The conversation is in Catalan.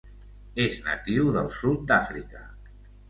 És natiu del sud d'Àfrica.